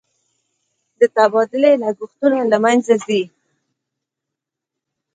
د تبادلې لګښتونه له مینځه ځي.